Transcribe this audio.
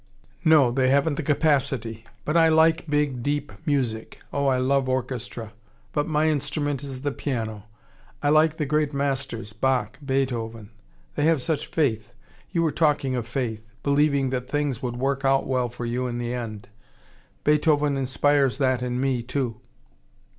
"No, they haven't the capacity. But I like big, deep music. Oh, I love orchestra. But my instrument is the piano. I like the great masters, Bach, Beethoven. They have such faith. You were talking of faith believing that things would work out well for you in the end. Beethoven inspires that in me, too."